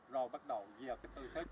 rồi bắt đầu về cái tư thức